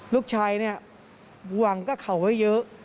ลูกชายเนี่ยหวังกับเขาไว้เยอะ